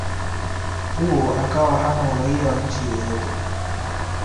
huo akawa hana Uraia wa nchi yoyote